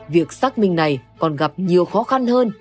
việc xác minh này còn gặp nhiều khó khăn hơn